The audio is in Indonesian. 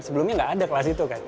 sebelumnya nggak ada kelas itu kan